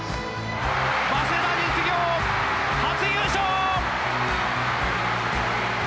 早稲田実業初優勝！